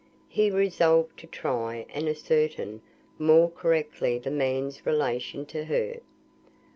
He resolved to try and ascertain more correctly the man's relation to her.